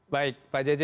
baik pak jj